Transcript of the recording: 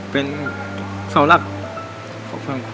พ่อผมจะช่วยพ่อผมจะช่วยพ่อผมจะช่วย